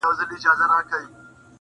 زه د هغې په رنځ ککړ وجود څنګه هېر کړم